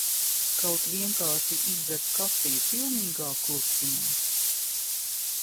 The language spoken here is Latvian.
Kaut vienkārši izdzert kafiju pilnīgā klusumā.